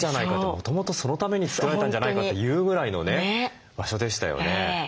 もともとそのために作られたんじゃないかというぐらいのね場所でしたよね。